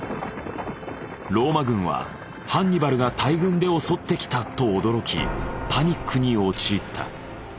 ローマ軍はハンニバルが大軍で襲ってきた！と驚きパニックに陥った。